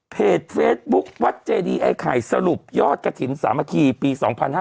เพจเฟซบุ๊ควัดเจดีไอ้ไข่สรุปยอดกระถิ่นสามัคคีปี๒๕๕๙